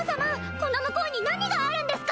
この向こうに何があるんですか！？